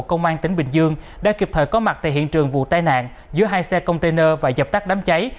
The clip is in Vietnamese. công an tp hcm đã kịp thời có mặt tại hiện trường vụ tai nạn giữa hai xe container và dập tắt đám cháy